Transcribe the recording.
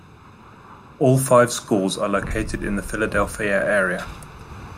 All five schools are located in the Philadelphia area.